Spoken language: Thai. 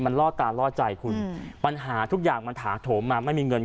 มันล่อตาล่อใจคุณปัญหาทุกอย่างมันถาโถมมาไม่มีเงิน